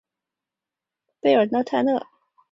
贝尔特奈。